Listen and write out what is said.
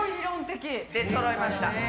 出そろいました。